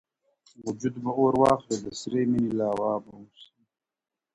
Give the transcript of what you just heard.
وجود به اور واخلي د سرې ميني لاوا به سم.